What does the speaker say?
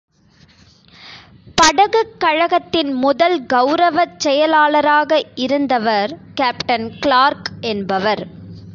படகுக் கழகத்தின் முதல் கௌரவச் செயலாளராக இருந்தவர் கேப்டன் கிளார்க் என்பவர்.